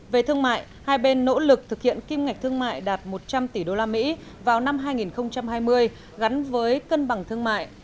về thương mại hai bên nỗ lực thực hiện kim ngạch thương mại đạt một trăm linh tỷ usd vào năm hai nghìn hai mươi gắn với cân bằng thương mại